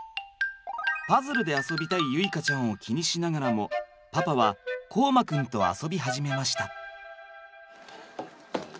パズルで遊びたい結花ちゃんを気にしながらもパパは凰真くんと遊び始めました。